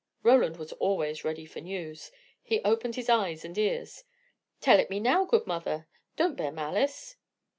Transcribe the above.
Roland was always ready for news. He opened his eyes and ears. "Tell it me now, good mother. Don't bear malice."